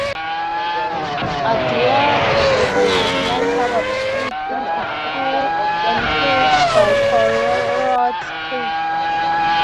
Ardeer today is a small suburb split into two enclaves by Kororoit Creek.